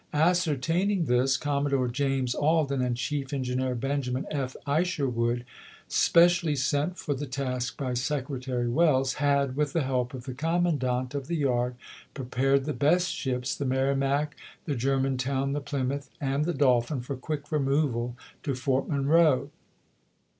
Ascertaining this. Commodore James Al den and Chief Engineer Benjamin F. Isherwood, specially sent for the task by Secretary Welles, had, with the help of the commandant of the yard, prepared the best ships — the Merrimac, the Ger VoL. IV.— IQ 146 ABEAHAM LINCOLN Chap. VII. mantowfi, the Plymouth, and the DoliiMn — for quick removal to Fort Monroe.